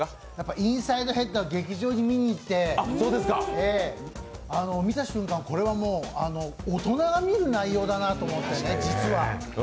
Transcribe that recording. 「インサイド・ヘッド」は劇場に見に行って、見た瞬間、大人が見る内容だなと思ってね、実は。